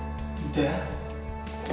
で？